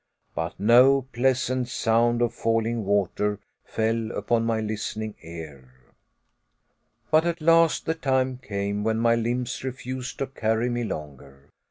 But no pleasant sound of falling water fell upon my listening ear. But at last the time came when my limbs refused to carry me longer.